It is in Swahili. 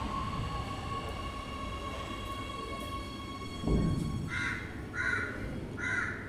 Yakobo alisema uongo alipomdanganya Baba yake na kuiba mbaraka wa uzaliwa wa kwanza